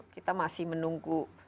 kita masih menunggu